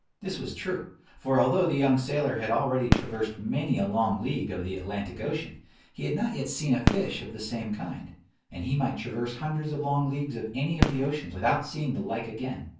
This was true; for although the young sailer had already traversed many a long league of the Atlantic Ocean, he had not yet seen a fish of the same kind; and he might traverse hundreds of long leagues of any of the oceans without seeing the like again.